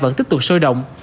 vẫn tiếp tục sôi động